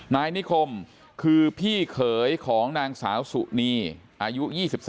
นายนิคมคือพี่เขยของนางสาวสุนีอายุ๒๓